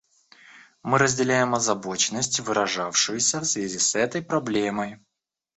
Мы разделяем озабоченность, выражавшуюся в связи с этой проблемой.